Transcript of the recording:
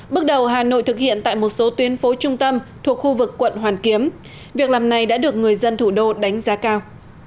bước đầu hà nội thực hiện tại một số tuyến phố trung tâm thuộc khu vực quận hoàn kiếm việc làm này đã được người dân thủ đô đánh giá cao